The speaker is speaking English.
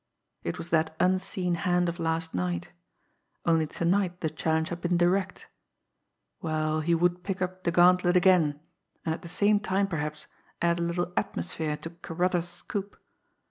It was that unseen hand of last night only to night the challenge had been direct. Well, he would pick up the gauntlet again and at the same time, perhaps, add a little "atmosphere" to Carruthers' scoop!